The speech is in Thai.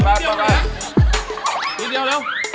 อพี่เดียวเร็ว